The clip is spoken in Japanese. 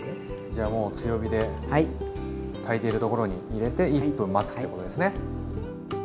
じゃあもう強火でたいているところに入れて１分待つってことですね。